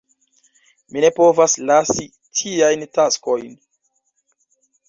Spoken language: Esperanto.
Mi ne povas lasi tiajn taskojn.